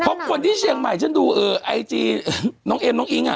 เพราะคนที่เชียงใหม่ฉันดูไอจีน้องเอมน้องอิ๊ง